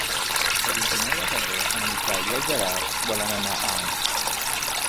El vint-i-nou de febrer en Miquel i en Gerard volen anar a Anna.